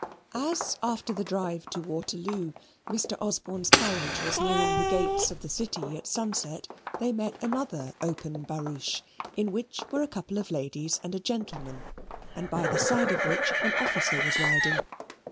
As after the drive to Waterloo, Mr. Osborne's carriage was nearing the gates of the city at sunset, they met another open barouche, in which were a couple of ladies and a gentleman, and by the side of which an officer was riding.